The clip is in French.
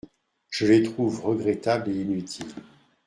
Je les trouve regrettables et inutiles.